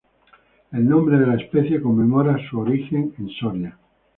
El nombre de la especie conmemora su origen en Soria.